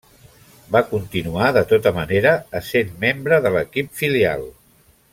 Va continuar de tota manera essent membre de l'equip filial.